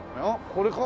これか？